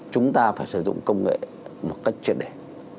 chúng ta phải sử dụng công nghệ một cách triệt đề